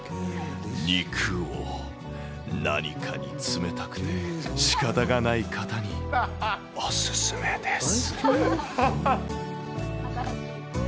肉を何かに詰めたくてしかたがない方にお勧めです。